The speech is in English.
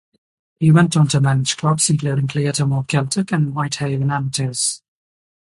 He went on to manage clubs including Cleator Moor Celtic and Whitehaven Amateurs.